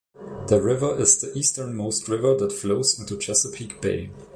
The river is the easternmost river that flows into Chesapeake Bay.